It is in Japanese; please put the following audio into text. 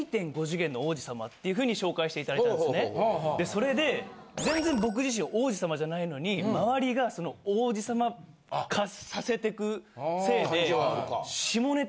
それで全然僕自身王子様じゃないのに周りが王子様化させてくせいで。